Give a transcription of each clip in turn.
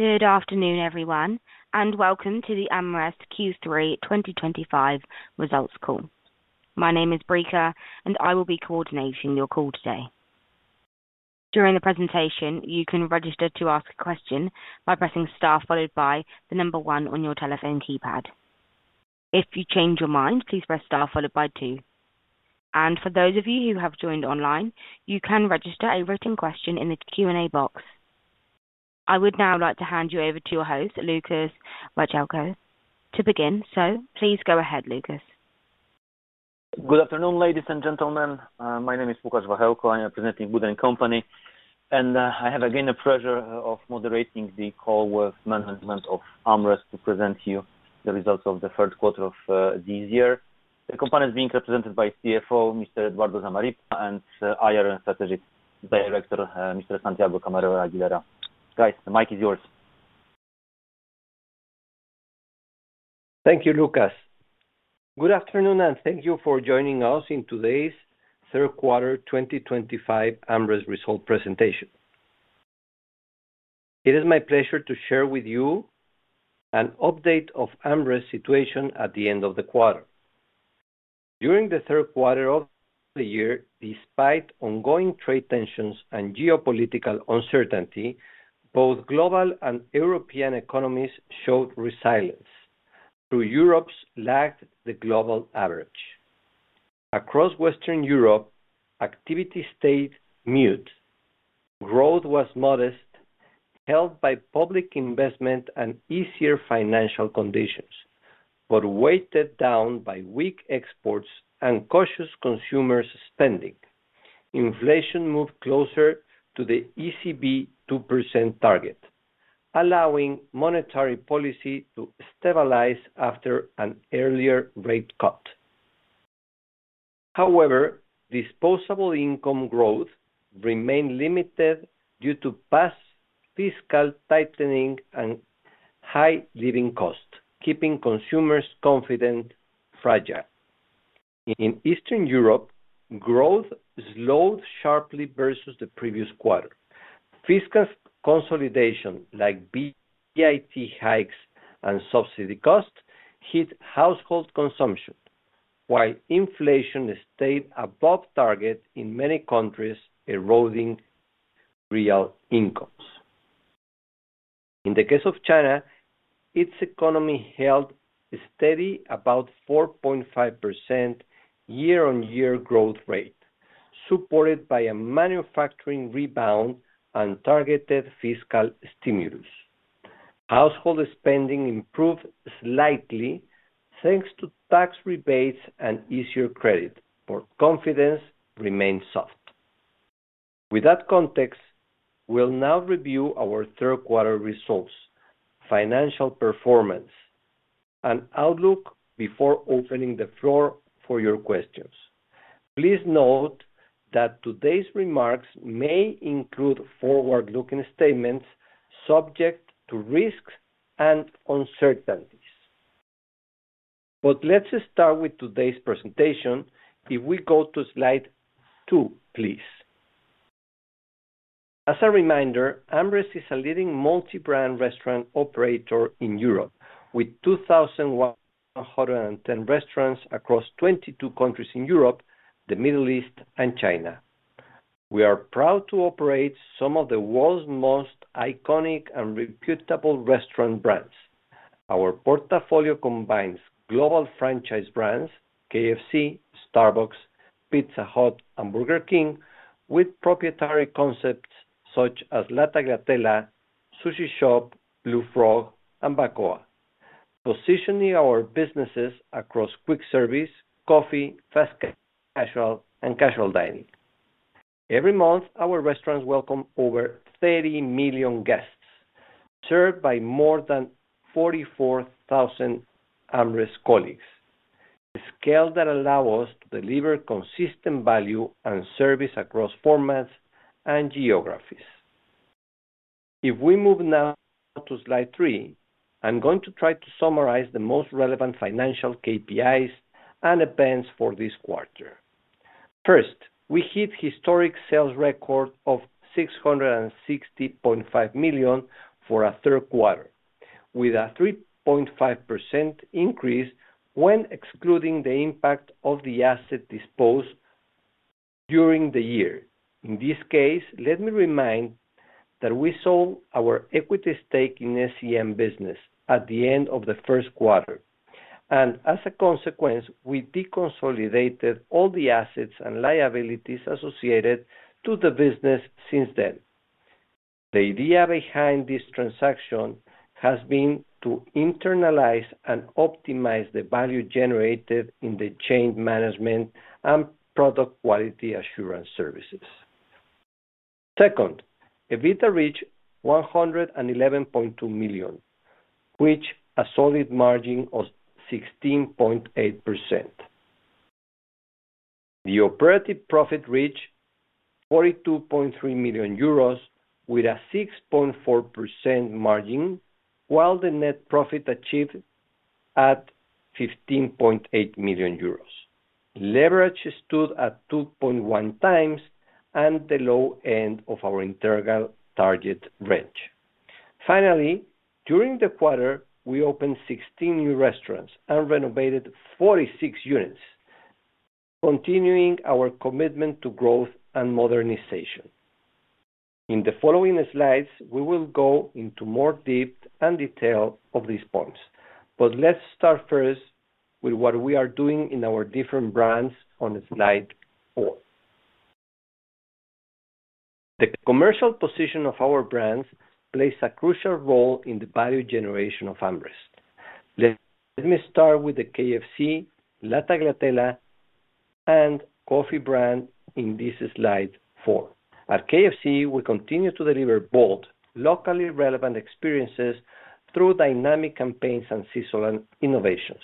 Good afternoon, everyone, and welcome to the AmRest Q3 2025 results call. My name is Breaker, and I will be coordinating your call today. During the presentation, you can register to ask a question by pressing Star followed by the number one on your telephone keypad. If you change your mind, please press Star followed by two. For those of you who have joined online, you can register a written question in the Q&A box. I would now like to hand you over to your host, Łukasz Wachełko, to begin, so please go ahead, Łukasz. Good afternoon, ladies and gentlemen. My name is Łukasz Wachełko. I am representing WOOD & Company, and I have again the pleasure of moderating the call with management of AmRest to present you the results of the third quarter of this year. The company is being represented by CFO, Mr. Eduardo Zamarripa, and IR and Strategic Director, Mr. Santiago Aguilera. Guys, the mic is yours. Thank you, Łukasz. Good afternoon, and thank you for joining us in today's third quarter 2025 AmRest result presentation. It is my pleasure to share with you an update of AmRest's situation at the end of the quarter. During the third quarter of the year, despite ongoing trade tensions and geopolitical uncertainty, both global and European economies showed resilience, though Europe lagged the global average. Across Western Europe, activity stayed mute. Growth was modest, held by public investment and easier financial conditions, but weighted down by weak exports and cautious consumer spending. Inflation moved closer to the ECB 2% target, allowing monetary policy to stabilize after an earlier rate cut. However, disposable income growth remained limited due to past fiscal tightening and high living costs, keeping consumers' confidence fragile. In Eastern Europe, growth slowed sharply versus the previous quarter. Fiscal consolidation, like VAT hikes and subsidy costs, hit household consumption, while inflation stayed above target in many countries, eroding real incomes. In the case of China, its economy held steady at about 4.5% year-on-year growth rate, supported by a manufacturing rebound and targeted fiscal stimulus. Household spending improved slightly thanks to tax rebates and easier credit, but confidence remained soft. With that context, we'll now review our third quarter results, financial performance, and outlook before opening the floor for your questions. Please note that today's remarks may include forward-looking statements subject to risks and uncertainties. Let's start with today's presentation. If we go to slide two, please. As a reminder, AmRest is a leading multi-brand restaurant operator in Europe, with 2,110 restaurants across 22 countries in Europe, the Middle East, and China. We are proud to operate some of the world's most iconic and reputable restaurant brands. Our portfolio combines global franchise brands—KFC, Starbucks, Pizza Hut, and Burger King—with proprietary concepts such as La Tagliatella, Sushi Shop, Blue Frog, and Bacoa, positioning our businesses across quick service, coffee, fast casual, and casual dining. Every month, our restaurants welcome over 30 million guests, served by more than 44,000 AmRest colleagues, a scale that allows us to deliver consistent value and service across formats and geographies. If we move now to slide three, I'm going to try to summarize the most relevant financial KPIs and events for this quarter. First, we hit a historic sales record of 660.5 million for a third quarter, with a 3.5% increase when excluding the impact of the asset disposed during the year. In this case, let me remind that we sold our equity stake in SEM business at the end of the first quarter, and as a consequence, we deconsolidated all the assets and liabilities associated with the business since then. The idea behind this transaction has been to internalize and optimize the value generated in the chain management and product quality assurance services. Second, EBITDA reached 111.2 million, reaching a solid margin of 16.8%. The operative profit reached 42.3 million euros, with a 6.4% margin, while the net profit achieved at 15.8 million euros. Leverage stood at 2.1x the low end of our integral target range. Finally, during the quarter, we opened 16 new restaurants and renovated 46 units, continuing our commitment to growth and modernization. In the following slides, we will go into more depth and detail of these points, but let's start first with what we are doing in our different brands on slide four. The commercial position of our brands plays a crucial role in the value generation of AmRest. Let me start with the KFC, La Tagliatella, and coffee brand in this slide four. At KFC, we continue to deliver bold, locally relevant experiences through dynamic campaigns and seasonal innovations.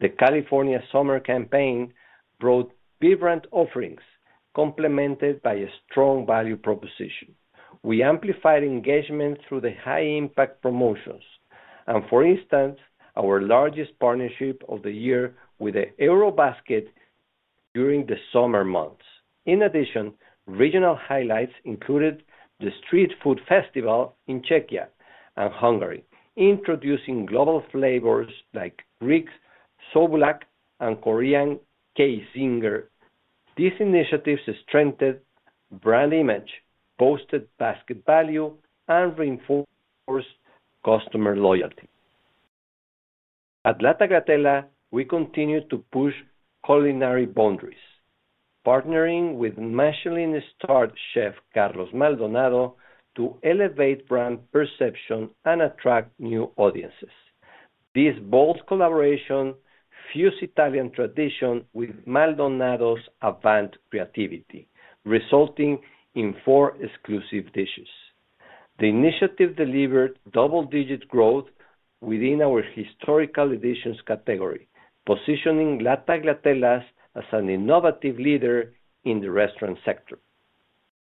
The California summer campaign brought vibrant offerings, complemented by a strong value proposition. We amplified engagement through high-impact promotions and, for instance, our largest partnership of the year with the Eurobasket during the summer months. In addition, regional highlights included the Street Food Festival in Czechia and Hungary, introducing global flavors like Greek souvlaki and Korean kisaeng. These initiatives strengthened brand image, boosted basket value, and reinforced customer loyalty. At La Tagliatella, we continue to push culinary boundaries, partnering with Michelin-starred chef Carlos Maldonado to elevate brand perception and attract new audiences. This bold collaboration fused Italian tradition with Maldonado's avant creativity, resulting in four exclusive dishes. The initiative delivered double-digit growth within our historical editions category, positioning La Tagliatella as an innovative leader in the restaurant sector.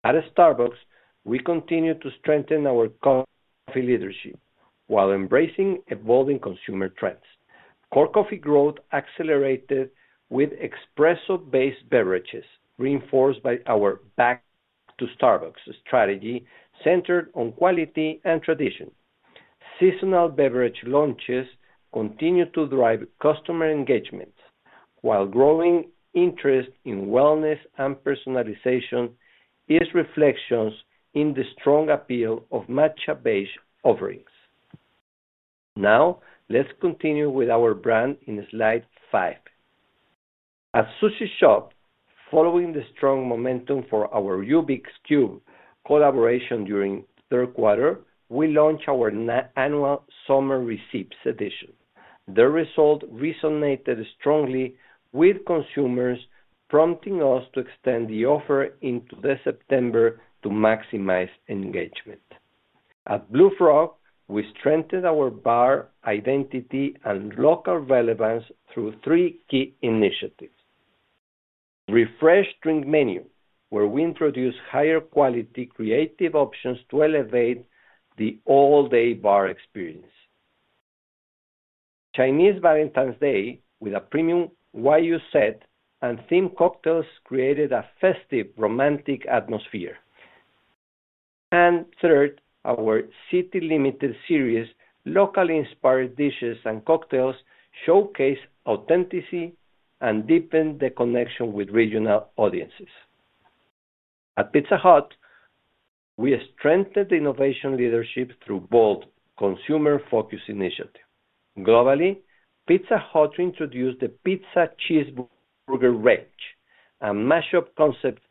At Starbucks, we continue to strengthen our coffee leadership while embracing evolving consumer trends. Core coffee growth accelerated with espresso-based beverages, reinforced by our back-to-Starbucks strategy centered on quality and tradition. Seasonal beverage launches continue to drive customer engagement, while growing interest in wellness and personalization is reflected in the strong appeal of matcha-based offerings. Now, let's continue with our brand in slide five. At Sushi Shop, following the strong momentum for our Ubix Cube collaboration during the third quarter, we launched our annual summer recipes edition. The result resonated strongly with consumers, prompting us to extend the offer into September to maximize engagement. At Blue Frog, we strengthened our bar identity and local relevance through three key initiatives: Refresh Drink Menu, where we introduced higher-quality creative options to elevate the all-day bar experience. Chinese Valentine's Day, with a premium YU set and themed cocktails, created a festive, romantic atmosphere. Third, our City Limited Series, locally inspired dishes and cocktails showcased authenticity and deepened the connection with regional audiences. At Pizza Hut, we strengthened innovation leadership through bold consumer-focused initiatives. Globally, Pizza Hut introduced the Pizza Cheeseburger range, a mashup concept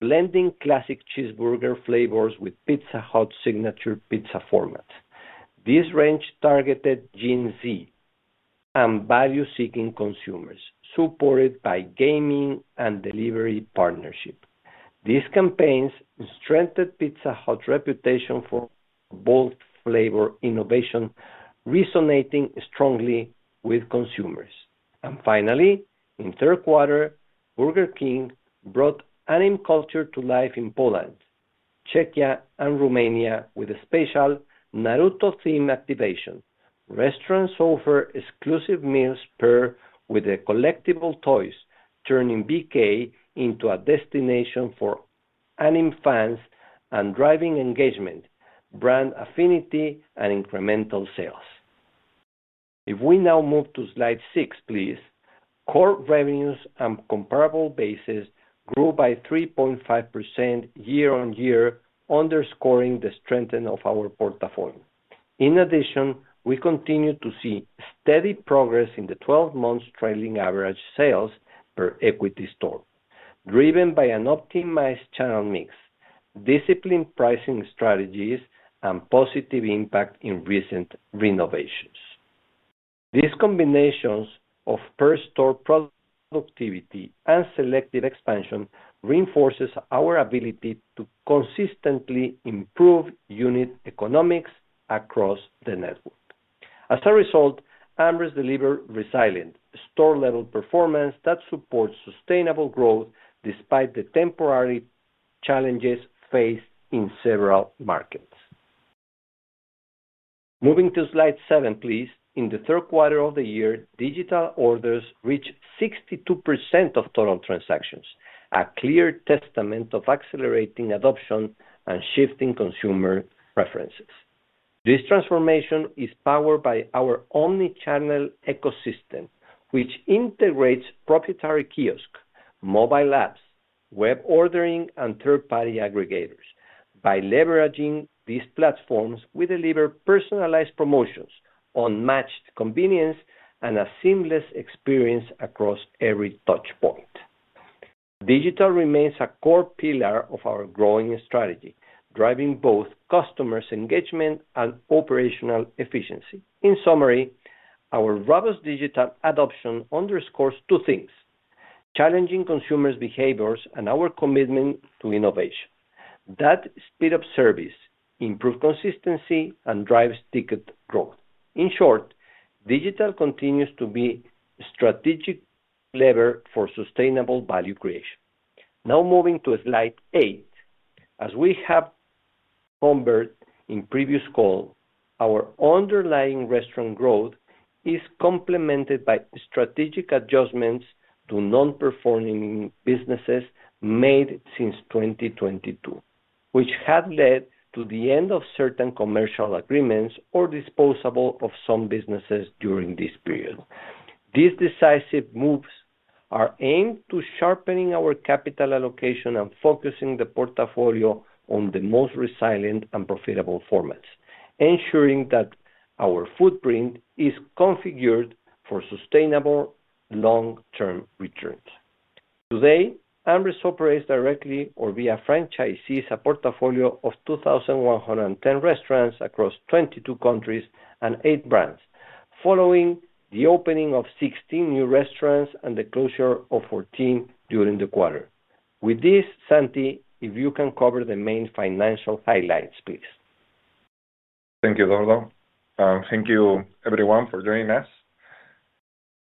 blending classic cheeseburger flavors with Pizza Hut's signature pizza format. This range targeted Gen Z and value-seeking consumers, supported by gaming and delivery partnerships. These campaigns strengthened Pizza Hut's reputation for bold flavor innovation, resonating strongly with consumers. Finally, in the third quarter, Burger King brought anime culture to life in Poland, Czechia, and Romania with a special Naruto-themed activation. Restaurants offered exclusive meals paired with collectible toys, turning BK into a destination for anime fans and driving engagement, brand affinity, and incremental sales. If we now move to slide six, please, core revenues and comparable bases grew by 3.5% year-on-year, underscoring the strengthening of our portfolio. In addition, we continue to see steady progress in the 12-month trailing average sales per equity store, driven by an optimized channel mix, disciplined pricing strategies, and positive impact in recent renovations. These combinations of per-store productivity and selective expansion reinforce our ability to consistently improve unit economics across the network. As a result, AmRest delivers resilient store-level performance that supports sustainable growth despite the temporary challenges faced in several markets. Moving to slide seven, please. In the third quarter of the year, digital orders reached 62% of total transactions, a clear testament to accelerating adoption and shifting consumer preferences. This transformation is powered by our omnichannel ecosystem, which integrates proprietary kiosks, mobile apps, web ordering, and third-party aggregators. By leveraging these platforms, we deliver personalized promotions on matched convenience and a seamless experience across every touchpoint. Digital remains a core pillar of our growing strategy, driving both customer engagement and operational efficiency. In summary, our robust digital adoption underscores two things: challenging consumers' behaviors and our commitment to innovation. That speeds up service, improves consistency, and drives ticket growth. In short, digital continues to be a strategic lever for sustainable value creation. Now moving to slide eight, as we have conveyed in previous calls, our underlying restaurant growth is complemented by strategic adjustments to non-performing businesses made since 2022, which had led to the end of certain commercial agreements or disposal of some businesses during this period. These decisive moves are aimed at sharpening our capital allocation and focusing the portfolio on the most resilient and profitable formats, ensuring that our footprint is configured for sustainable long-term returns. Today, AmRest operates directly or via franchisees a portfolio of 2,110 restaurants across 22 countries and eight brands, following the opening of 16 new restaurants and the closure of 14 during the quarter. With this, Santi, if you can cover the main financial highlights, please. Thank you, Eduardo. Thank you, everyone, for joining us.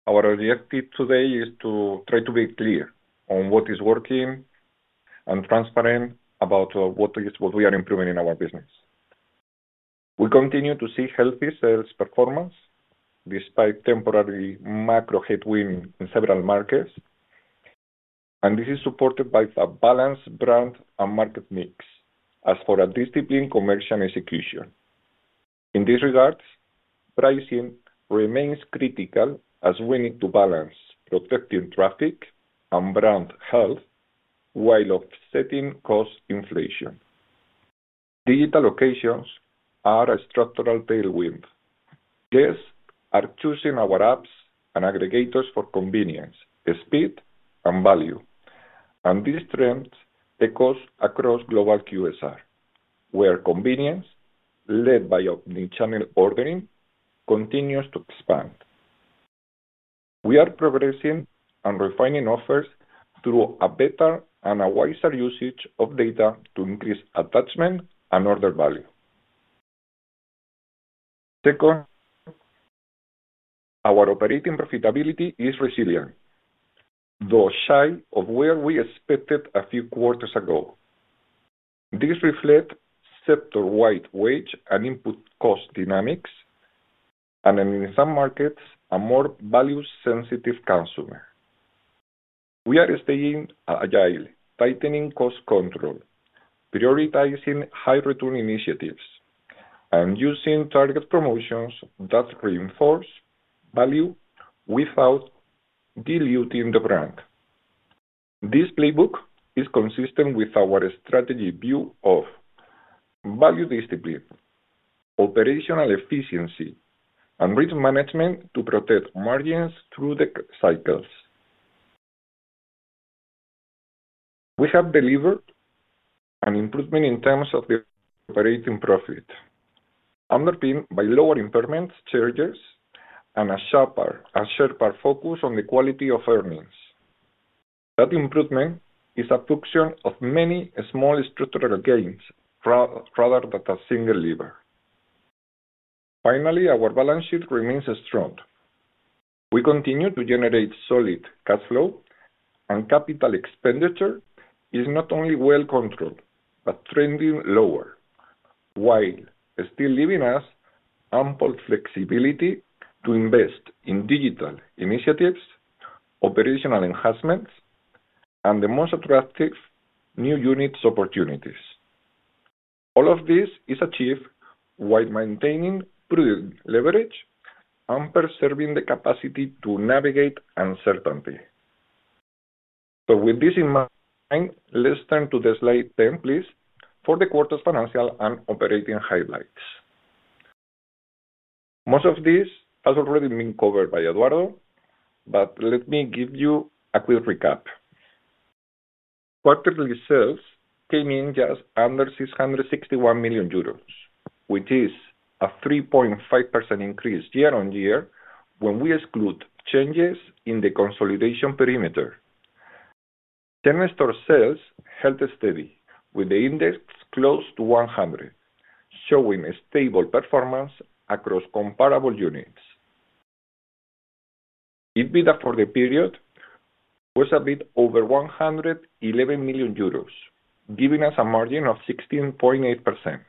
Our objective today is to try to be clear on what is working and transparent about what we are improving in our business. We continue to see healthy sales performance despite temporary macro headwinds in several markets, and this is supported by a balanced brand and market mix as well as a disciplined commercial execution. In this regard, pricing remains critical as we need to balance protecting traffic and brand health while offsetting cost inflation. Digital locations are a structural tailwind. Guests are choosing our apps and aggregators for convenience, speed, and value, and these trends echo across global QSR, where convenience, led by omnichannel ordering, continues to expand. We are progressing and refining offers through a better and wiser usage of data to increase attachment and order value. Second, our operating profitability is resilient, though shy of where we expected a few quarters ago. This reflects sector-wide wage and input cost dynamics, and in some markets, a more value-sensitive consumer. We are staying agile, tightening cost control, prioritizing high-return initiatives, and using target promotions that reinforce value without diluting the brand. This playbook is consistent with our strategy view of value discipline, operational efficiency, and risk management to protect margins through the cycles. We have delivered an improvement in terms of the operating profit, underpinned by lower impairment charges and a sharper focus on the quality of earnings. That improvement is a function of many small structural gains rather than a single lever. Finally, our balance sheet remains strong. We continue to generate solid cash flow, and capital expenditure is not only well controlled but trending lower, while still leaving us ample flexibility to invest in digital initiatives, operational enhancements, and the most attractive new units opportunities. All of this is achieved while maintaining prudent leverage and preserving the capacity to navigate uncertainty. With this in mind, let's turn to slide 10, please, for the quarter's financial and operating highlights. Most of this has already been covered by Eduardo, but let me give you a quick recap. Quarterly sales came in just under 661 million euros, which is a 3.5% increase year-on-year when we exclude changes in the consolidation perimeter. Ten-store sales held steady, with the index close to 100, showing a stable performance across comparable units. EBITDA for the period was a bit over 111 million euros, giving us a margin of 16.8%.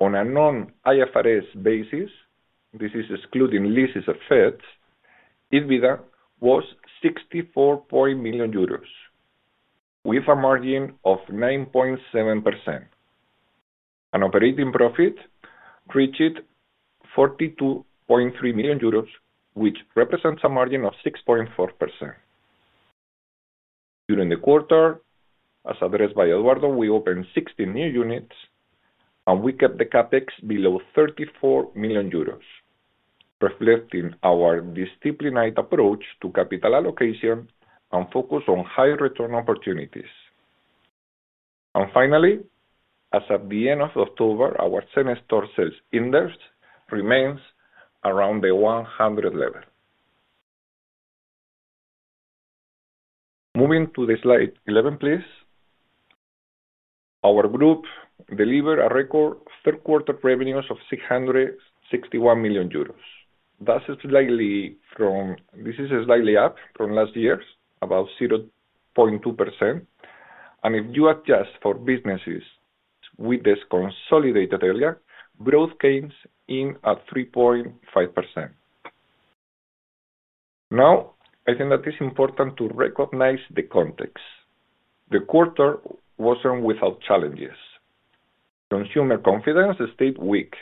On a non-IFRS basis, this is excluding leases of Feds, EBITDA was 64.8 million euros, with a margin of 9.7%. Operating profit reached 42.3 million euros, which represents a margin of 6.4%. During the quarter, as addressed by Eduardo, we opened 16 new units, and we kept the CapEx below 34 million euros, reflecting our disciplined approach to capital allocation and focus on high-return opportunities. Finally, as of the end of October, our ten-store sales index remains around the 100 level. Moving to slide 11, please. Our group delivered a record third-quarter revenues of 661 million euros. This is slightly up from last year, about 0.2%. If you adjust for businesses with this consolidated area, growth came in at 3.5%. I think that it is important to recognize the context. The quarter was not without challenges. Consumer confidence stayed weak,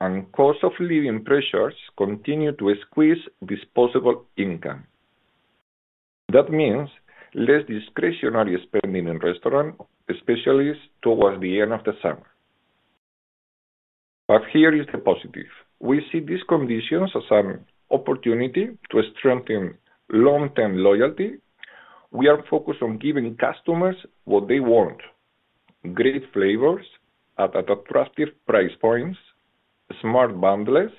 and cost of living pressures continued to squeeze disposable income. That means less discretionary spending in restaurants, especially towards the end of the summer. Here is the positive. We see these conditions as an opportunity to strengthen long-term loyalty. We are focused on giving customers what they want: great flavors at attractive price points, smart bundles,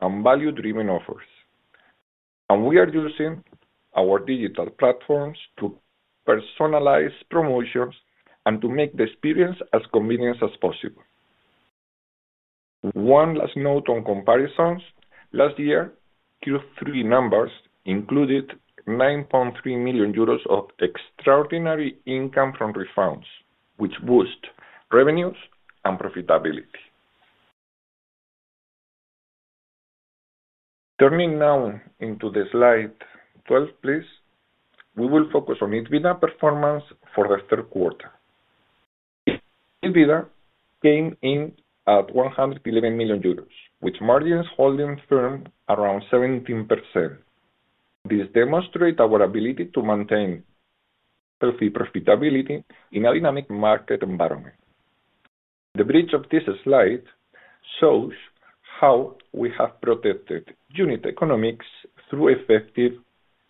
and value-driven offers. We are using our digital platforms to personalize promotions and to make the experience as convenient as possible. One last note on comparisons. Last year, Q3 numbers included 9.3 million euros of extraordinary income from refunds, which boosted revenues and profitability. Turning now into slide 12, please, we will focus on EBITDA performance for the third quarter. EBITDA came in at 111 million euros, with margins holding firm around 17%. This demonstrates our ability to maintain healthy profitability in a dynamic market environment. The bridge of this slide shows how we have protected unit economics through effective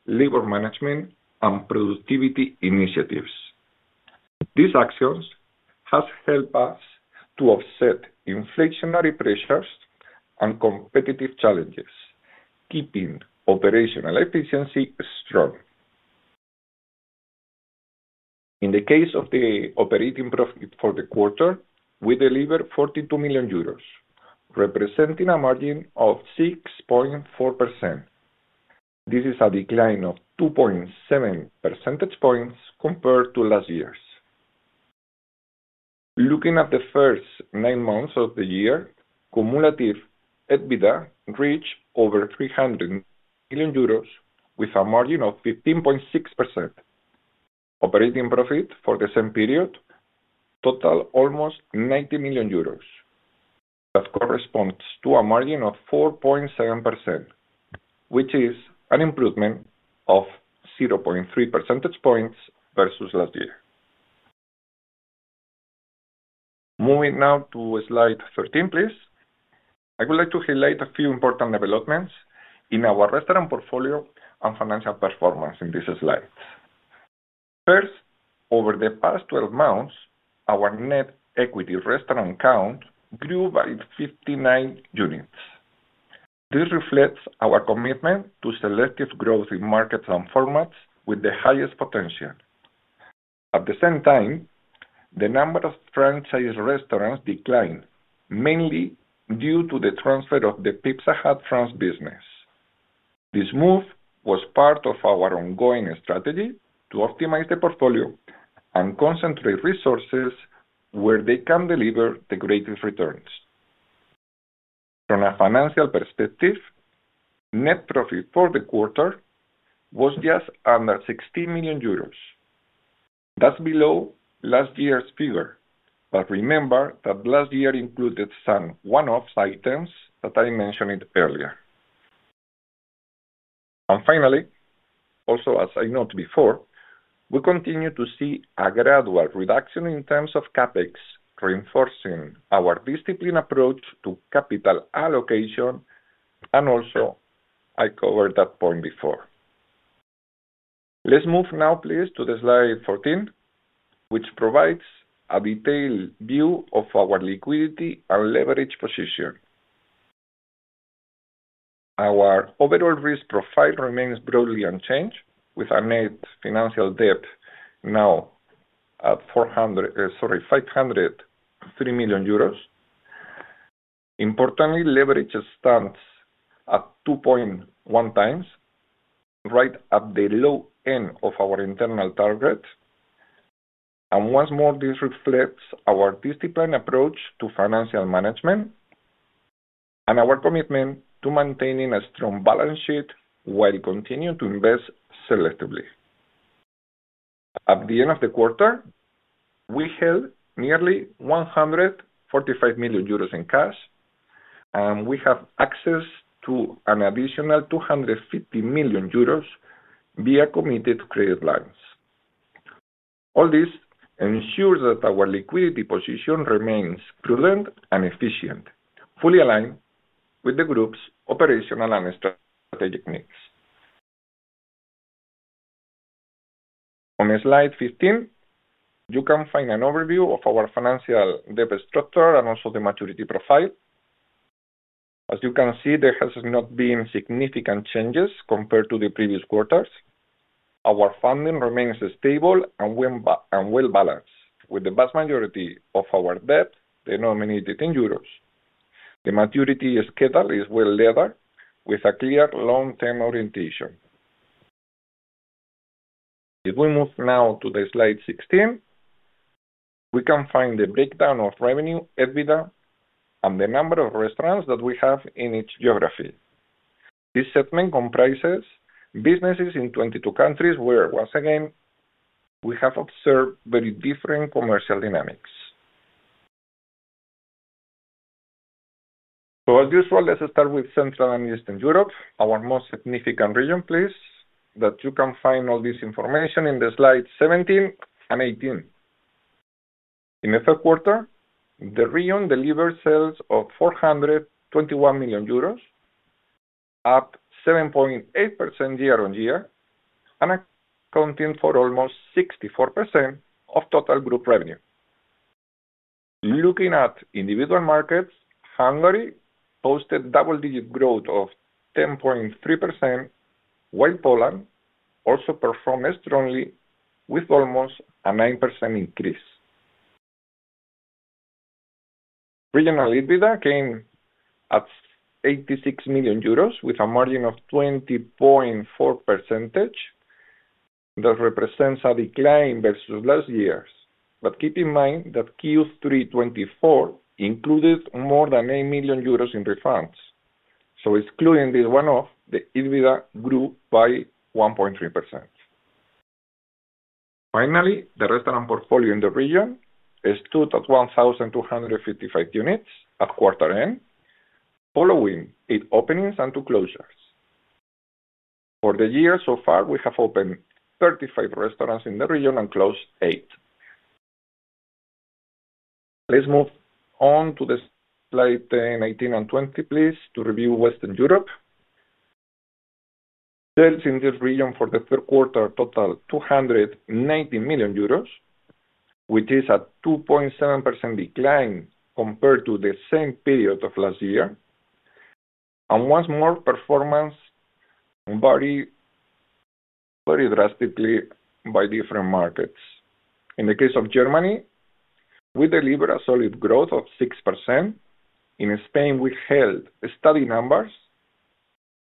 labor management and productivity initiatives. These actions have helped us to offset inflationary pressures and competitive challenges, keeping operational efficiency strong. In the case of the operating profit for the quarter, we delivered 42 million euros, representing a margin of 6.4%. This is a decline of 2.7 percentage points compared to last year. Looking at the first nine months of the year, cumulative EBITDA reached over 300 million euros, with a margin of 15.6%. Operating profit for the same period totaled almost 90 million euros, that corresponds to a margin of 4.7%, which is an improvement of 0.3 percentage points versus last year. Moving now to slide 13, please. I would like to highlight a few important developments in our restaurant portfolio and financial performance in this slide. First, over the past 12 months, our net equity restaurant count grew by 59 units. This reflects our commitment to selective growth in markets and formats with the highest potential. At the same time, the number of franchise restaurants declined, mainly due to the transfer of the Pizza Hut France business. This move was part of our ongoing strategy to optimize the portfolio and concentrate resources where they can deliver the greatest returns. From a financial perspective, net profit for the quarter was just under 16 million euros. That is below last year's figure, but remember that last year included some one-off items that I mentioned earlier. Finally, also as I noted before, we continue to see a gradual reduction in terms of CapEx, reinforcing our disciplined approach to capital allocation, and also, I covered that point before. Let's move now, please, to slide 14, which provides a detailed view of our liquidity and leverage position. Our overall risk profile remains broadly unchanged, with our net financial debt now at 503 million euros. Importantly, leverage stands at 2.1x, right at the low end of our internal target. Once more, this reflects our disciplined approach to financial management and our commitment to maintaining a strong balance sheet while continuing to invest selectively. At the end of the quarter, we held nearly 145 million euros in cash, and we have access to an additional 250 million euros via committed credit lines. All this ensures that our liquidity position remains prudent and efficient, fully aligned with the group's operational and strategic needs. On slide 15, you can find an overview of our financial debt structure and also the maturity profile. As you can see, there have not been significant changes compared to the previous quarters. Our funding remains stable and well-balanced, with the vast majority of our debt denominated in euros. The maturity schedule is well-layered, with a clear long-term orientation. If we move now to slide 16, we can find the breakdown of revenue, EBITDA, and the number of restaurants that we have in each geography. This segment comprises businesses in 22 countries where, once again, we have observed very different commercial dynamics. So, as usual, let's start with Central and Eastern Europe, our most significant region, please, that you can find all this information in slides 17 and 18. In the third quarter, the region delivered sales of 421 million euros, up 7.8% year-on-year and accounting for almost 64% of total group revenue. Looking at individual markets, Hungary posted double-digit growth of 10.3%, while Poland also performed strongly, with almost a 9% increase. Regional EBITDA came at 86 million euros, with a margin of 20.4% that represents a decline versus last year. But keep in mind that Q3 2024 included more than 8 million euros in refunds. Excluding this one-off, the EBITDA grew by 1.3%. Finally, the restaurant portfolio in the region stood at 1,255 units at quarter end, following eight openings and two closures. For the year so far, we have opened 35 restaurants in the region and closed eight. Let's move on to slides 10, 18, and 20, please, to review Western Europe. Sales in this region for the third quarter totaled 219 million euros, which is a 2.7% decline compared to the same period of last year. Once more, performance varied drastically by different markets. In the case of Germany, we delivered a solid growth of 6%. In Spain, we held steady numbers,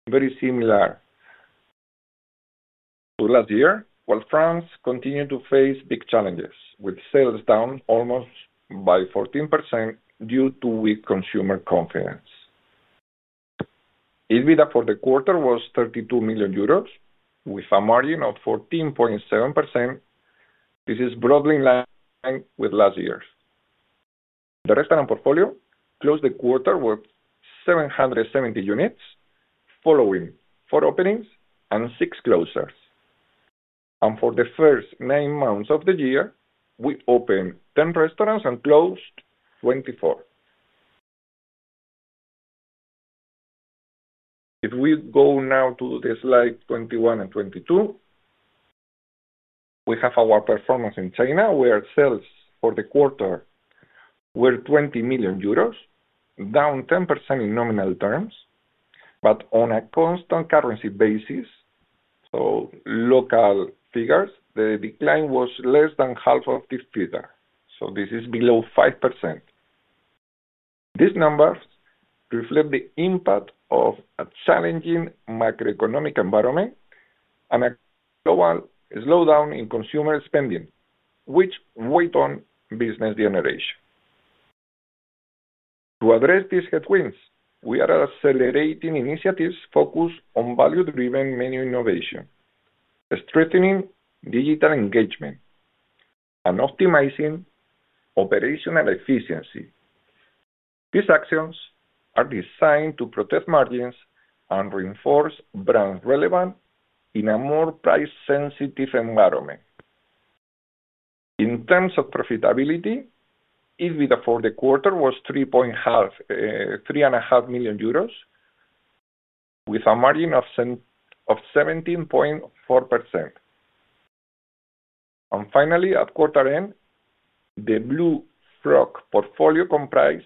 very similar to last year, while France continued to face big challenges, with sales down almost by 14% due to weak consumer confidence. EBITDA for the quarter was 32 million euros, with a margin of 14.7%. This is broadly in line with last year. The restaurant portfolio closed the quarter with 770 units, following four openings and six closures. For the first nine months of the year, we opened 10 restaurants and closed 24. If we go now to slides 21 and 22, we have our performance in China, where sales for the quarter were 20 million euros, down 10% in nominal terms. On a constant currency basis, so local figures, the decline was less than half of this figure. This is below 5%. These numbers reflect the impact of a challenging macroeconomic environment and a global slowdown in consumer spending, which weighed on business generation. To address these headwinds, we are accelerating initiatives focused on value-driven menu innovation, strengthening digital engagement, and optimizing operational efficiency. These actions are designed to protect margins and reinforce brand relevance in a more price-sensitive environment. In terms of profitability, EBITDA for the quarter was 3.5 million euros, with a margin of 17.4%. Finally, at quarter end, the Blue Frog portfolio comprised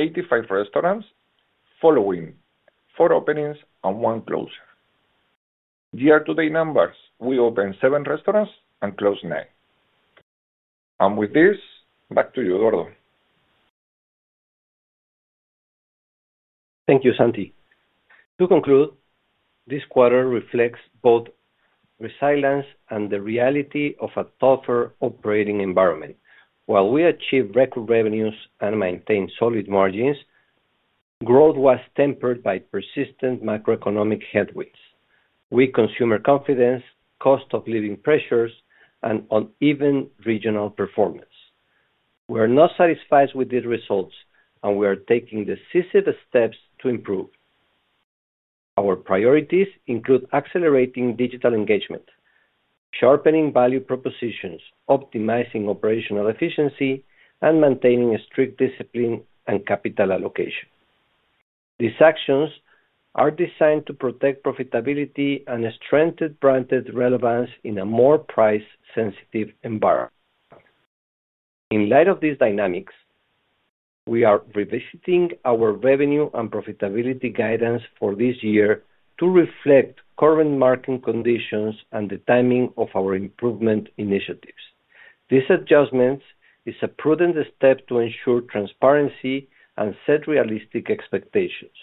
85 restaurants, following four openings and one closure. Year-to-date numbers, we opened seven restaurants and closed nine. With this, back to you, Eduardo. Thank you, Santiago. To conclude, this quarter reflects both the resilience and the reality of a tougher operating environment. While we achieved record revenues and maintained solid margins, growth was tempered by persistent macroeconomic headwinds, weak consumer confidence, cost of living pressures, and uneven regional performance. We are not satisfied with these results, and we are taking decisive steps to improve. Our priorities include accelerating digital engagement, sharpening value propositions, optimizing operational efficiency, and maintaining strict discipline in capital allocation. These actions are designed to protect profitability and strengthen brand relevance in a more price-sensitive environment. In light of these dynamics, we are revisiting our revenue and profitability guidance for this year to reflect current market conditions and the timing of our improvement initiatives. This adjustment is a prudent step to ensure transparency and set realistic expectations.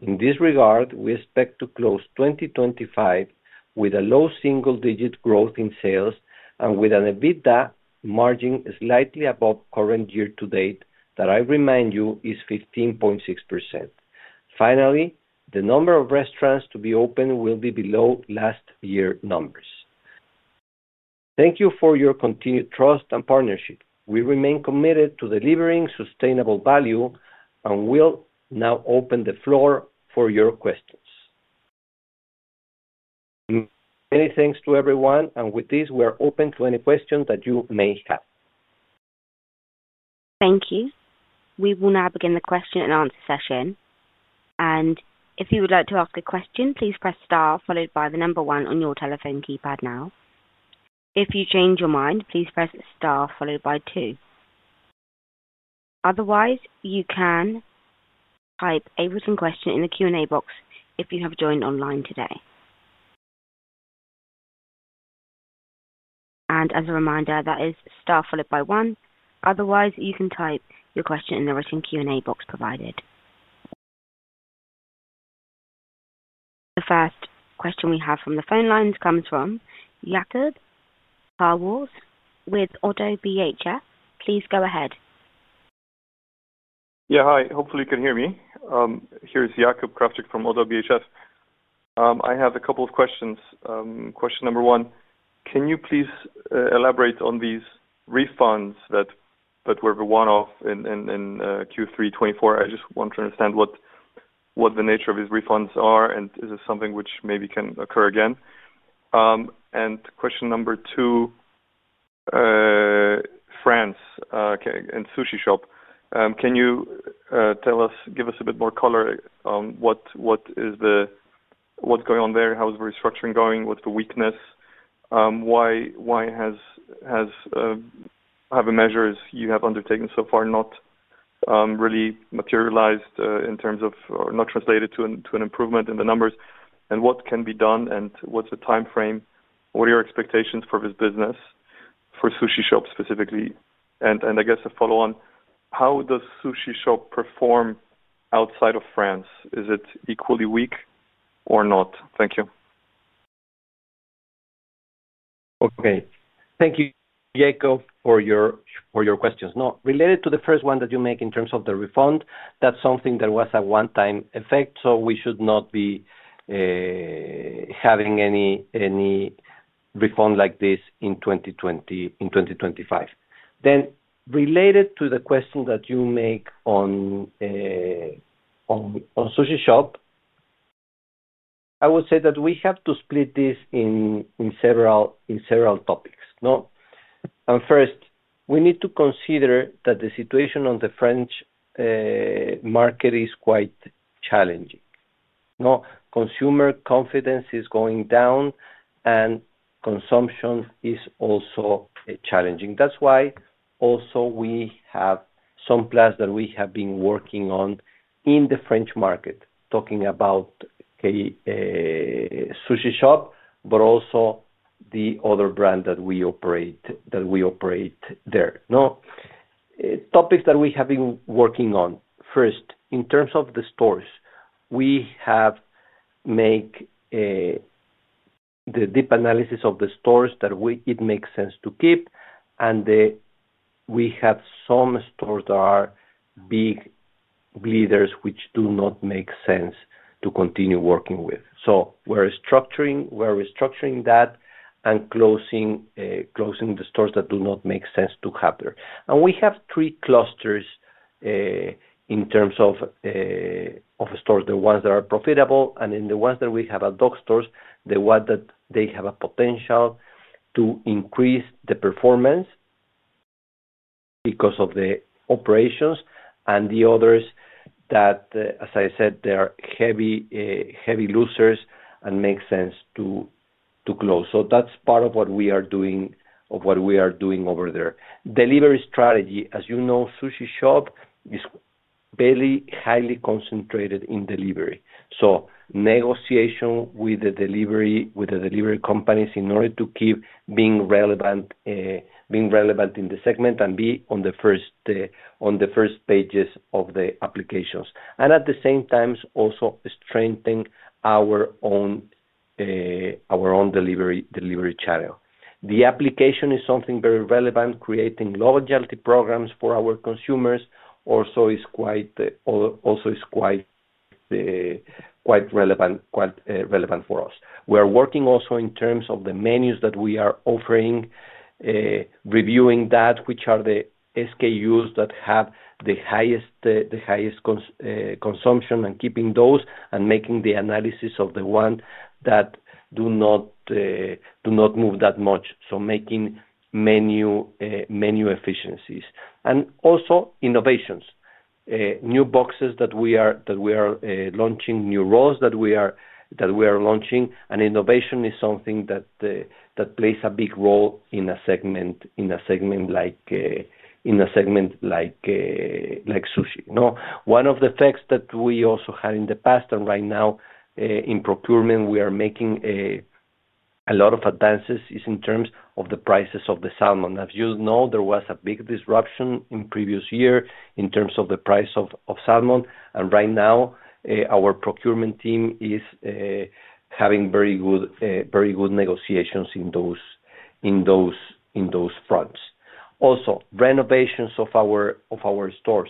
In this regard, we expect to close 2025 with a low single-digit growth in sales and with an EBITDA margin slightly above current year-to-date that I remind you is 15.6%. Finally, the number of restaurants to be opened will be below last year's numbers. Thank you for your continued trust and partnership. We remain committed to delivering sustainable value, and we'll now open the floor for your questions. Many thanks to everyone, and with this, we are open to any questions that you may have. Thank you. We will now begin the question-and-answer session. If you would like to ask a question, please press star followed by the number one on your telephone keypad now. If you change your mind, please press star followed by two. Otherwise, you can type a written question in the Q&A box if you have joined online today. As a reminder, that is star followed by one. Otherwise, you can type your question in the written Q&A box provided. The first question we have from the phone lines comes from Jakub Krawczyk with ODDO BHF. Please go ahead. Yeah, hi. Hopefully, you can hear me. Here's Jakub Krawczyk from ODDO BHF. I have a couple of questions. Question number one, can you please elaborate on these refunds that were the one-off in Q3 2024? I just want to understand what the nature of these refunds are, and is this something which maybe can occur again? Question number two, France, okay, and Sushi Shop. Can you give us a bit more color on what is the what's going on there? How is the restructuring going? What's the weakness? Why have the measures you have undertaken so far not really materialized in terms of or not translated to an improvement in the numbers? What can be done, and what's the time frame? What are your expectations for this business, for Sushi Shop specifically? I guess a follow-on, how does Sushi Shop perform outside of France? Is it equally weak or not? Thank you. Okay. Thank you, Jakub, for your questions. Now, related to the first one that you make in terms of the refund, that's something that was a one-time effect, so we should not be having any refund like this in 2025. Related to the question that you make on Sushi Shop, I would say that we have to split this in several topics. First, we need to consider that the situation on the French market is quite challenging. Consumer confidence is going down, and consumption is also challenging. That is why also we have some plans that we have been working on in the French market, talking about Sushi Shop, but also the other brand that we operate there. Topics that we have been working on. First, in terms of the stores, we have made the deep analysis of the stores that it makes sense to keep, and we have some stores that are big bleeders which do not make sense to continue working with. We are restructuring that and closing the stores that do not make sense to have there. We have three clusters in terms of stores: the ones that are profitable, the ones that we have adopt stores, the ones that have a potential to increase the performance because of the operations, and the others that, as I said, are heavy losers and make sense to close. That is part of what we are doing or what we are doing over there. Delivery strategy. As you know, Sushi Shop is very highly concentrated in delivery. Negotiation with the delivery companies in order to keep being relevant in the segment and be on the first pages of the applications. At the same time, also strengthen our own delivery channel. The application is something very relevant, creating loyalty programs for our consumers. Also is quite relevant for us. We are working also in terms of the menus that we are offering, reviewing that, which are the SKUs that have the highest consumption and keeping those and making the analysis of the ones that do not move that much. Making menu efficiencies. Also, innovations, new boxes that we are launching, new rolls that we are launching. Innovation is something that plays a big role in a segment like sushi. One of the facts that we also had in the past and right now in procurement, we are making a lot of advances in terms of the prices of the salmon. As you know, there was a big disruption in the previous year in terms of the price of salmon. Right now, our procurement team is having very good negotiations in those fronts. Also, renovations of our stores,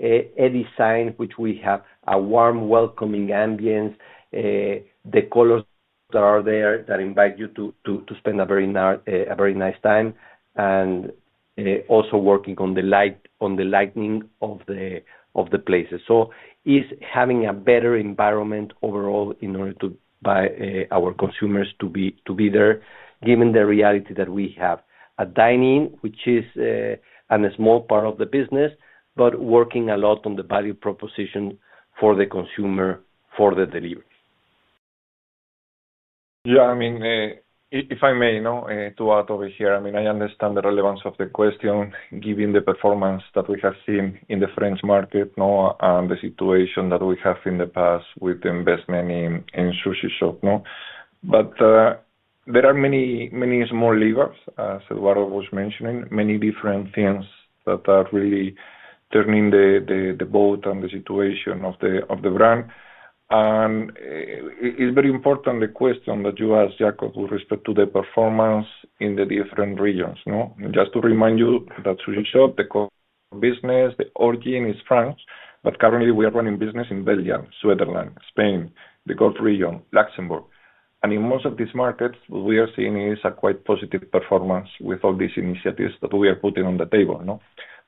a design which we have, a warm, welcoming ambience, the colors that are there that invite you to spend a very nice time, and also working on the lighting of the places. It is having a better environment overall in order to invite our consumers to be there, given the reality that we have a dining, which is a small part of the business, but working a lot on the value proposition for the consumer for the delivery. Yeah. I mean, if I may, to add over here, I mean, I understand the relevance of the question, given the performance that we have seen in the French market and the situation that we have in the past with the investment in Sushi Shop. There are many small levers, as Eduardo was mentioning, many different things that are really turning the boat and the situation of the brand. It is very important, the question that you asked, Jakub, with respect to the performance in the different regions. Just to remind you that Sushi Shop, the core business, the origin is France, but currently, we are running business in Belgium, Switzerland, Spain, the Gulf region, Luxembourg. In most of these markets, what we are seeing is a quite positive performance with all these initiatives that we are putting on the table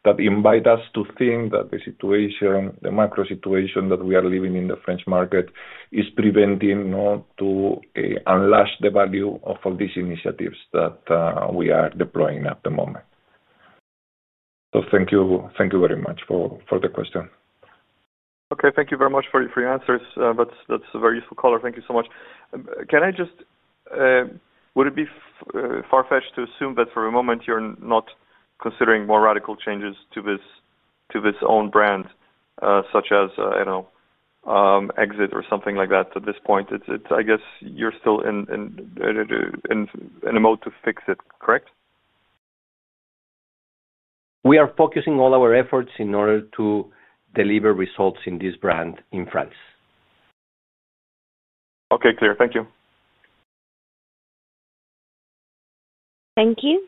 that invite us to think that the situation, the macro situation that we are living in the French market, is preventing to unlash the value of all these initiatives that we are deploying at the moment. Thank you very much for the question. Okay. Thank you very much for your answers. That's a very useful caller. Thank you so much. Can I just, would it be far-fetched to assume that for a moment, you're not considering more radical changes to this own brand, such as, I don't know, exit or something like that at this point? I guess you're still in a mode to fix it, correct? We are focusing all our efforts in order to deliver results in this brand in France. Okay. Clear. Thank you. Thank you.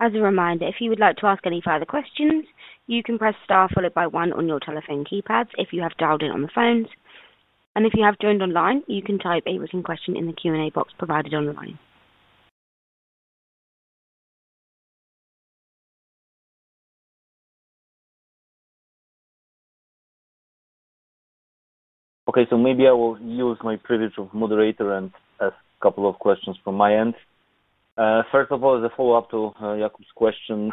As a reminder, if you would like to ask any further questions, you can press star followed by one on your telephone keypads if you have dialed in on the phones. If you have joined online, you can type a written question in the Q&A box provided online. Okay. Maybe I will use my privilege of moderator and ask a couple of questions from my end. First of all, as a follow-up to Jakub's question,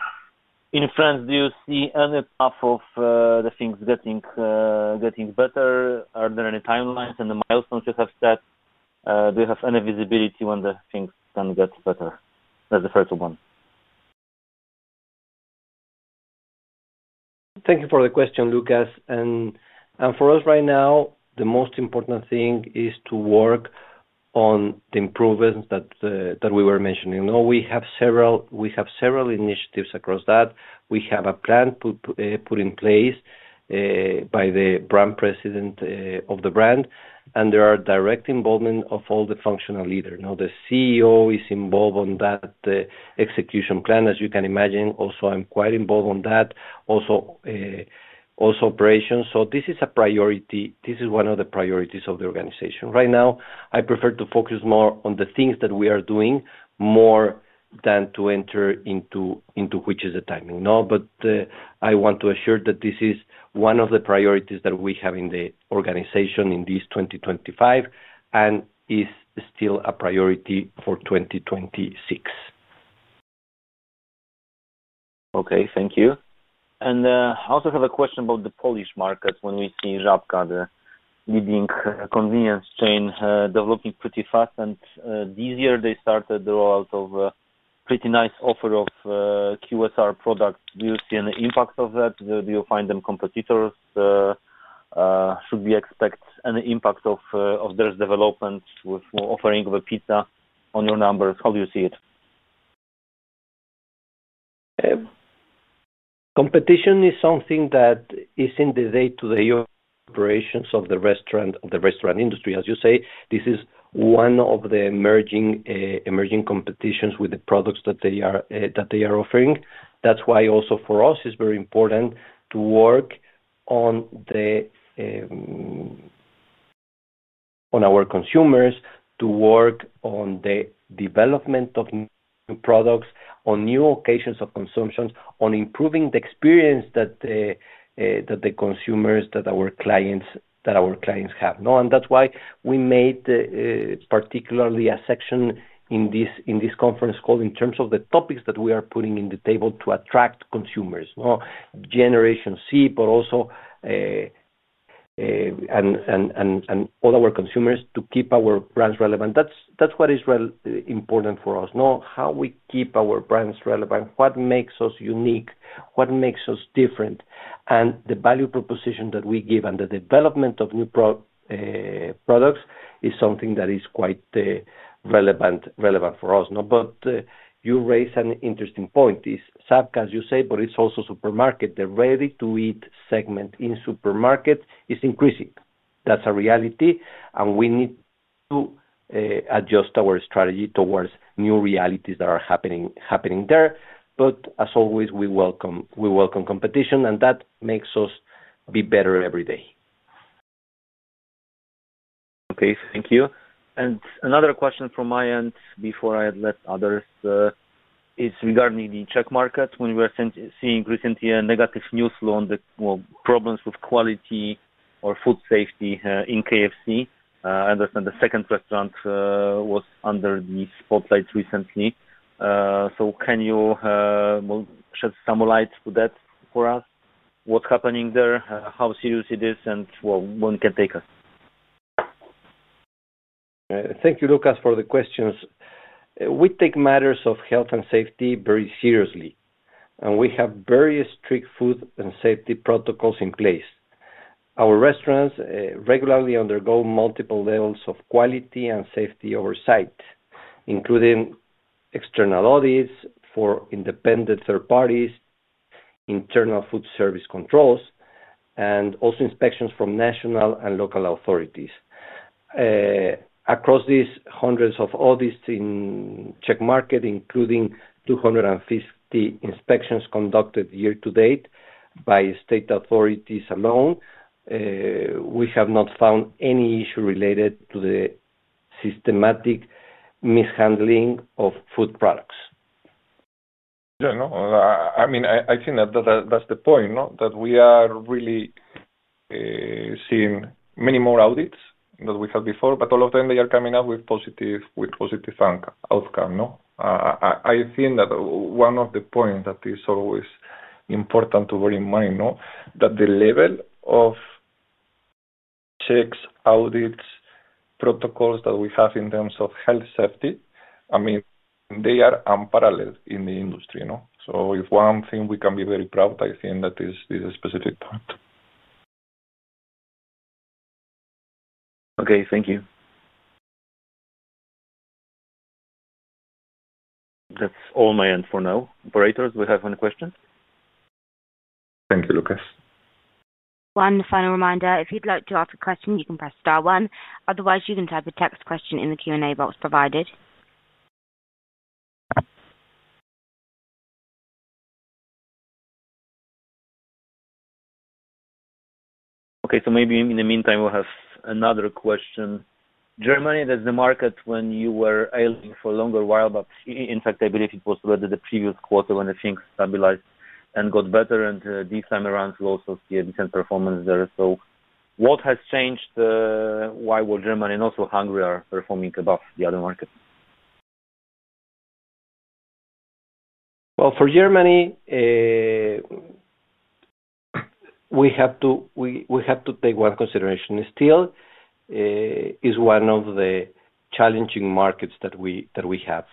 in France, do you see any path of the things getting better? Are there any timelines and the milestones you have set? Do you have any visibility when the things can get better? That's the first one. Thank you for the question, Łukasz. For us right now, the most important thing is to work on the improvements that we were mentioning. We have several initiatives across that. We have a plan put in place by the brand president of the brand, and there is direct involvement of all the functional leaders. The CEO is involved in that execution plan, as you can imagine. Also, I'm quite involved in that, also operations. This is a priority. This is one of the priorities of the organization. Right now, I prefer to focus more on the things that we are doing more than to enter into which is the timing. I want to assure that this is one of the priorities that we have in the organization in this 2025 and is still a priority for 2026. Okay. Thank you. I also have a question about the Polish market when we see Żabka, the leading convenience chain, developing pretty fast. This year, they started the rollout of a pretty nice offer of QSR products. Do you see an impact of that? Do you find them competitors? Should we expect an impact of their development with offering of a pizza on your numbers? How do you see it? Competition is something that is in the day-to-day operations of the restaurant industry. As you say, this is one of the emerging competitions with the products that they are offering. That is why also for us, it is very important to work on our consumers, to work on the development of new products, on new occasions of consumption, on improving the experience that the consumers, that our clients have. That is why we made particularly a section in this conference call in terms of the topics that we are putting on the table to attract consumers, Generation C, but also all our consumers to keep our brands relevant. That is what is important for us. How we keep our brands relevant, what makes us unique, what makes us different, and the value proposition that we give and the development of new products is something that is quite relevant for us. You raise an interesting point. It is Żabka, as you say, but it is also supermarket. The ready-to-eat segment in supermarkets is increasing. That's a reality. We need to adjust our strategy towards new realities that are happening there. As always, we welcome competition, and that makes us be better every day. Okay. Thank you. Another question from my end before I let others is regarding the Czech market. When we were seeing recently negative news on the problems with quality or food safety in KFC, I understand the second restaurant was under the spotlight recently. Can you shed some light to that for us? What's happening there? How serious it is? Where can it take us? Thank you, Łukasz, for the questions. We take matters of health and safety very seriously. We have very strict food and safety protocols in place. Our restaurants regularly undergo multiple levels of quality and safety oversight, including external audits from independent third parties, internal food service controls, and also inspections from national and local authorities. Across these hundreds of audits in the Czech market, including 250 inspections conducted year to date by state authorities alone, we have not found any issue related to the systematic mishandling of food products. Yeah. I mean, I think that's the point, that we are really seeing many more audits than we had before, but all of them, they are coming up with a positive outcome. I think that one of the points that is always important to bear in mind, that the level of checks, audits, protocols that we have in terms of health safety, I mean, they are unparalleled in the industry. If one thing we can be very proud of, I think that is this specific point. Okay. Thank you. That's all on my end for now. Operators, do we have any questions? Thank you, Łukasz. One final reminder. If you'd like to ask a question, you can press star one. Otherwise, you can type a text question in the Q&A box provided. Okay. Maybe in the meantime, we'll have another question. Germany, that's the market when you were ailing for a longer while, but in fact, I believe it was already the previous quarter when things stabilized and got better. This time around, we also see a decent performance there. What has changed? Why were Germany and also Hungary performing above the other market? For Germany, we have to take one consideration. Still, it is one of the challenging markets that we have.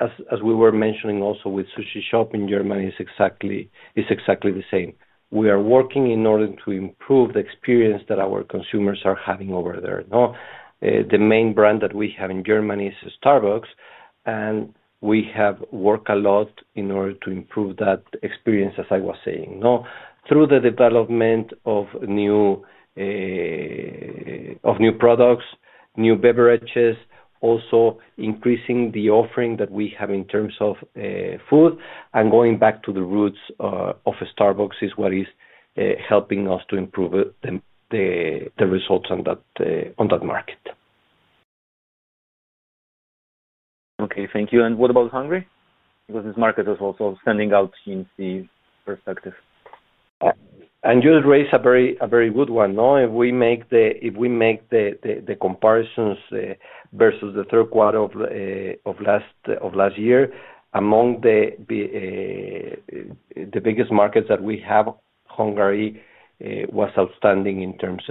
As we were mentioning also with Sushi Shop in Germany, it's exactly the same. We are working in order to improve the experience that our consumers are having over there. The main brand that we have in Germany is Starbucks. We have worked a lot in order to improve that experience, as I was saying, through the development of new products, new beverages, also increasing the offering that we have in terms of food. Going back to the roots of Starbucks is what is helping us to improve the results on that market. Okay. Thank you. What about Hungary? Because this market is also standing out in the perspective. You raised a very good one. If we make the comparisons versus the third quarter of last year, among the biggest markets that we have, Hungary was outstanding in terms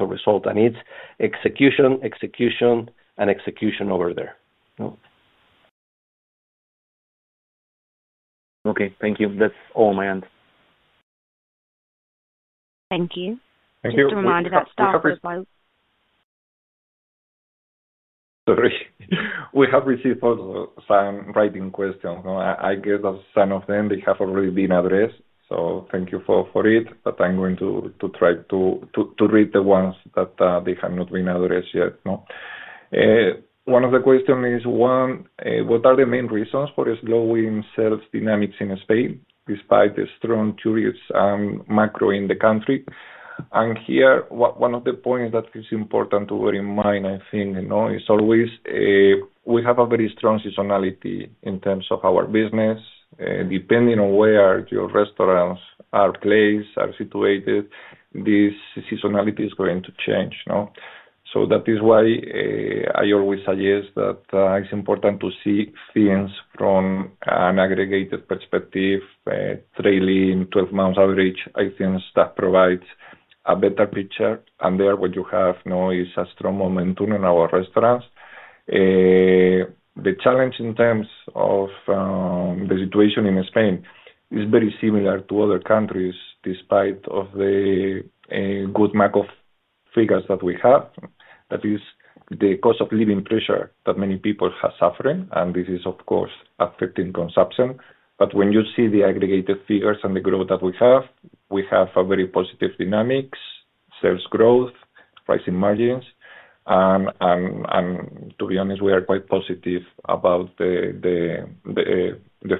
of result and its execution and execution over there. Okay. Thank you. That is all on my end. Thank you. Just a reminder about star for as well. Sorry. We have received some writing questions. I guess that some of them, they have already been addressed. Thank you for it. I am going to try to read the ones that have not been addressed yet. One of the questions is, one, what are the main reasons for the slowing sales dynamics in Spain despite the strong curious and macro in the country? Here, one of the points that is important to bear in mind, I think, is always we have a very strong seasonality in terms of our business. Depending on where your restaurants are placed, are situated, this seasonality is going to change. That is why I always suggest that it is important to see things from an aggregated perspective, trailing 12-month average, I think, that provides a better picture. There, what you have now is a strong momentum in our restaurants. The challenge in terms of the situation in Spain is very similar to other countries despite the good macro figures that we have. That is the cost of living pressure that many people are suffering. This is, of course, affecting consumption. When you see the aggregated figures and the growth that we have, we have very positive dynamics, sales growth, rising margins. To be honest, we are quite positive about the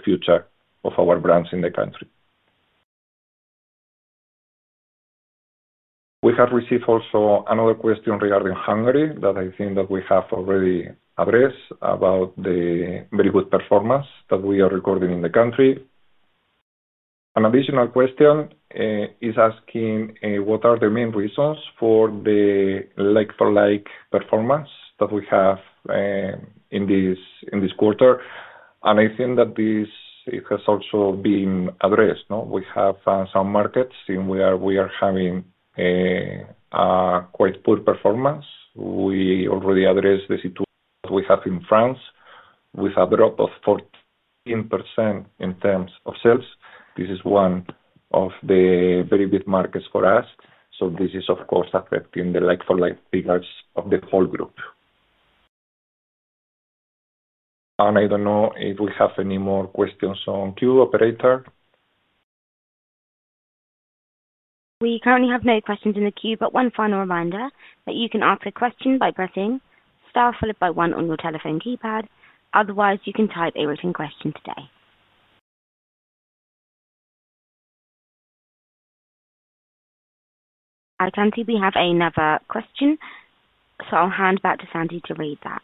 future of our brands in the country. We have received also another question regarding Hungary that I think we have already addressed about the very good performance that we are recording in the country. An additional question is asking what are the main reasons for the like-for-like performance that we have in this quarter. I think that this has also been addressed. We have some markets where we are having quite poor performance. We already addressed the situation that we have in France with a drop of 14% in terms of sales. This is one of the very big markets for us. This is, of course, affecting the like-for-like figures of the whole group. I do not know if we have any more questions on queue, Operator. We currently have no questions in the queue, but one final reminder that you can ask a question by pressing star followed by one on your telephone keypad. Otherwise, you can type a written question today. I can see we have another question. I will hand back to Santiago to read that.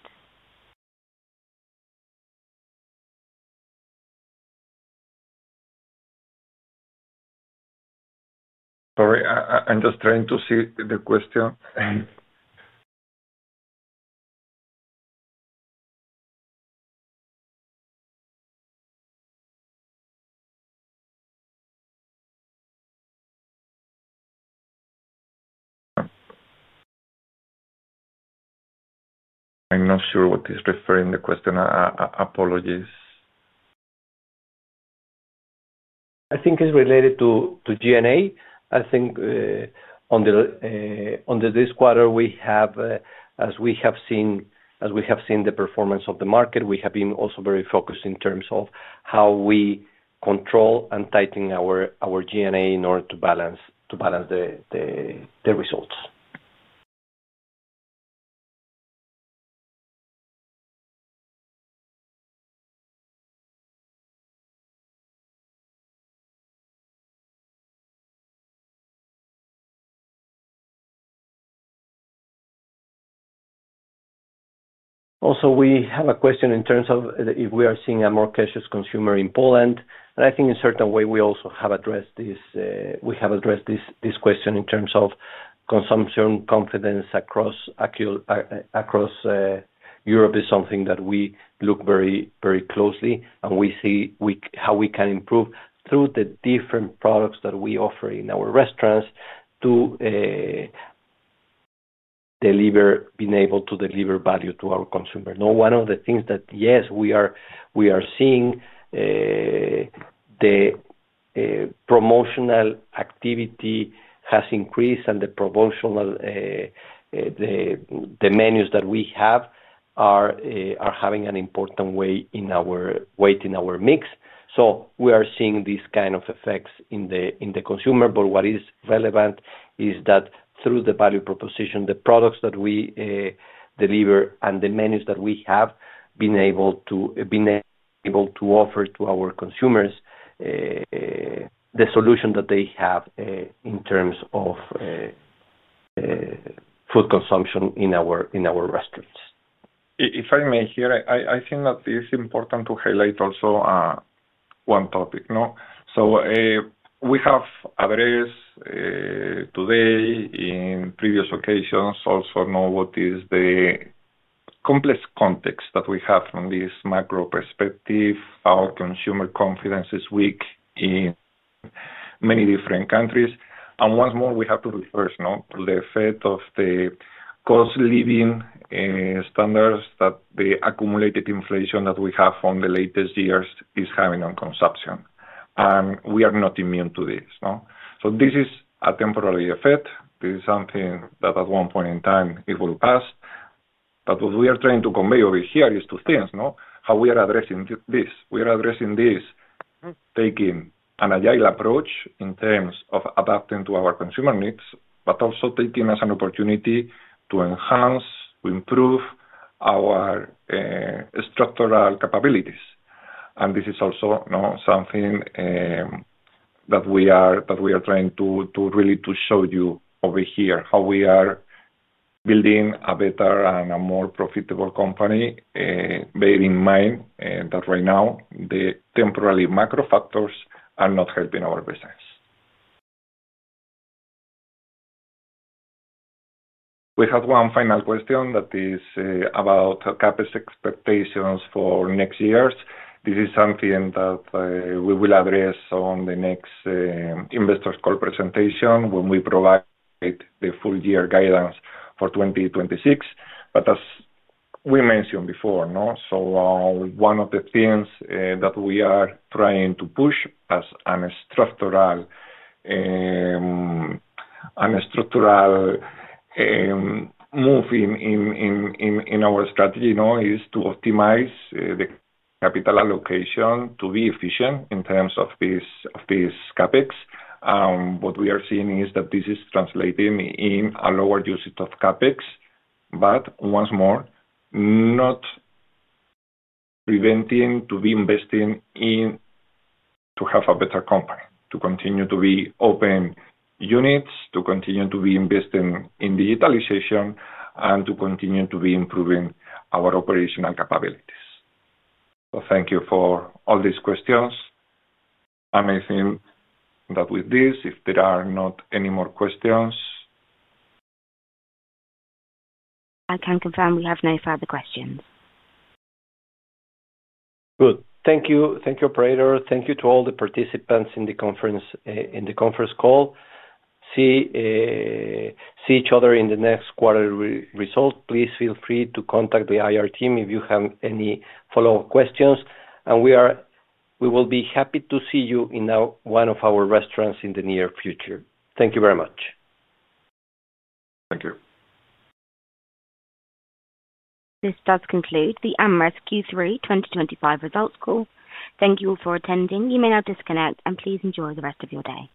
Sorry. I am just trying to see the question. I am not sure what he is referring to, the question. Apologies. I think it's related to G&A. I think on this quarter, as we have seen the performance of the market, we have been also very focused in terms of how we control and tighten our G&A in order to balance the results. Also, we have a question in terms of if we are seeing a more cautious consumer in Poland. I think in a certain way, we also have addressed this. We have addressed this question in terms of consumption confidence across Europe is something that we look very closely. We see how we can improve through the different products that we offer in our restaurants to be able to deliver value to our consumer. One of the things that, yes, we are seeing, the promotional activity has increased, and the menus that we have are having an important weight in our mix. We are seeing these kinds of effects in the consumer. What is relevant is that through the value proposition, the products that we deliver, and the menus that we have been able to offer to our consumers, the solution that they have in terms of food consumption in our restaurants. If I may here, I think that it is important to highlight also one topic. We have addressed today and on previous occasions also what is the complex context that we have from this macro perspective. Our consumer confidence is weak in many different countries. Once more, we have to refer to the effect of the cost of living standards that the accumulated inflation that we have in the latest years is having on consumption. We are not immune to this. This is a temporary effect. This is something that at one point in time, it will pass. What we are trying to convey over here is two things. How we are addressing this. We are addressing this taking an agile approach in terms of adapting to our consumer needs, but also taking it as an opportunity to enhance, to improve our structural capabilities. This is also something that we are trying to really show you over here, how we are building a better and a more profitable company, bearing in mind that right now, the temporary macro factors are not helping our business. We have one final question that is about CapEx expectations for next years. This is something that we will address on the next investor's call presentation when we provide the full-year guidance for 2026. As we mentioned before, one of the things that we are trying to push as a structural move in our strategy is to optimize the capital allocation to be efficient in terms of this CapEx. What we are seeing is that this is translating in a lower usage of CapEx, but once more, not preventing us from investing to have a better company, to continue to open units, to continue to be investing in digitalization, and to continue to be improving our operational capabilities. Thank you for all these questions. I think that with this, if there are not any more questions, I can confirm we have no further questions. Good. Thank you. Thank you, Operator. Thank you to all the participants in the conference call. See each other in the next quarter results. Please feel free to contact the IR team if you have any follow-up questions. We will be happy to see you in one of our restaurants in the near future. Thank you very much. Thank you. This does conclude the AmRest Q3 2025 results call. Thank you all for attending. You may now disconnect, and please enjoy the rest of your day.